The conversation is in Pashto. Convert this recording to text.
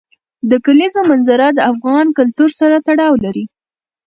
د کلیزو منظره د افغان کلتور سره تړاو لري.